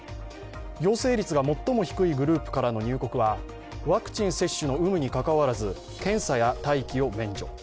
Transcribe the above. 陽性率が最も低いグループからの入国はワクチン接種の有無に関わらず、検査や待機を免除。